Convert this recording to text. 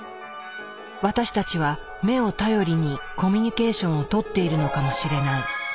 私たちは目を頼りにコミュニケーションをとっているのかもしれない。